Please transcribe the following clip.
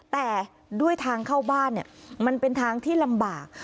แต่ด้วยทางเข้าบ้านมันเป็นทางที่ลำบาก